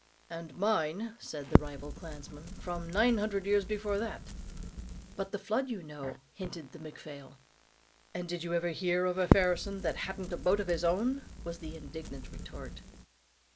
"And mine," said the rival clansman, "from nine hundred years before that." "But the flood, you know?" hinted the McPhlail. "And did you ever hear of a Phairson that hadn't a boat of his own?" was the indignant retort.